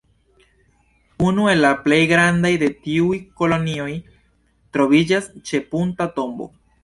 Unu el la plej grandaj de tiuj kolonioj troviĝas ĉe Punta Tombo.